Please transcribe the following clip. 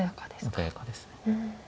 穏やかですね。